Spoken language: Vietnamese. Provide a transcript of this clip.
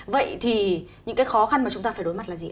vậy thì những cái khó khăn mà chúng ta phải đối mặt là gì